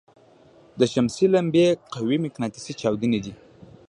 د شمسي لمبې قوي مقناطیسي چاودنې دي.